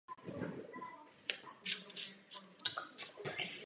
Přesto malý křišťálový glóbus z této sezóny získala.